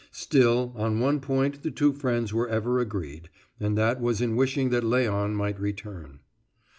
Still, on one point the two friends were ever agreed, and that was in wishing that Léon might return.